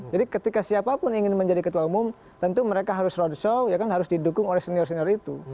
jadi ketika siapapun ingin menjadi ketua umum tentu mereka harus roadshow harus didukung oleh senior senior itu